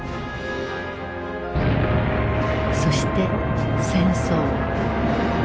そして戦争。